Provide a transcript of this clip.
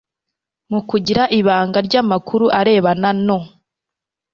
mu kugira ibanga ry amakuru arebana no